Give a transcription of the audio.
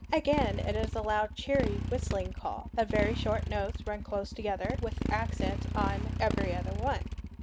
Again it is a loud cheery whistling call, of very short notes run close together, with accent on every other one.